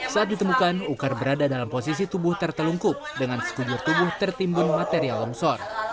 saat ditemukan ukar berada dalam posisi tubuh tertelungkup dengan sekujur tubuh tertimbun material longsor